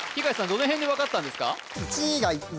どの辺で分かったんですか？